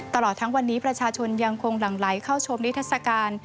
ตลอดทั้งวันนี้ประชาชนยังคงหลั่งไหลเข้าชมนิทัศกาล